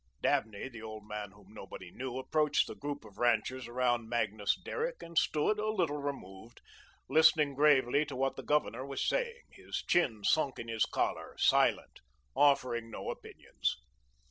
Dabney, the old man whom nobody knew, approached the group of ranchers around Magnus Derrick and stood, a little removed, listening gravely to what the governor was saying, his chin sunk in his collar, silent, offering no opinions.